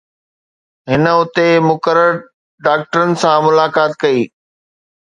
هن اتي مقرر ڊاڪٽرن سان ملاقات ڪئي